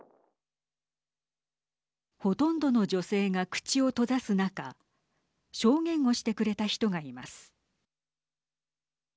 ほとんどの女性が口を閉ざす中証言をしてくれた人がいます。